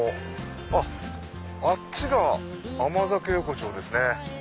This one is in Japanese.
あっあっちが甘酒横丁ですね。